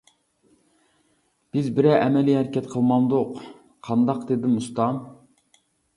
بىز بىرەر ئەمىلى ھەرىكەت قىلمامدۇق، قانداق دېدىم ئۇستام.